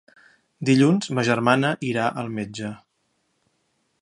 Dilluns ma germana irà al metge.